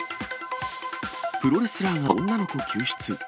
プロレスラーが女の子救出。